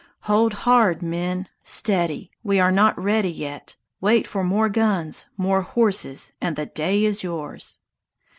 "Hold hard, men! Steady, we are not ready yet! Wait for more guns, more horses, and the day is yours!"